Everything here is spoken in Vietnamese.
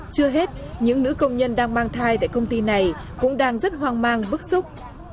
chưa hết những nữ công nhân đang mang thai tại công ty này cũng đang rất hoang mang bức xúc